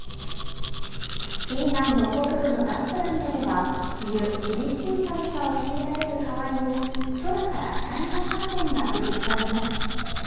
フィンランド北部のラップランドでは冬、厳しい寒さを強いられる代わりに空から光のカーテンが降り注ぎます。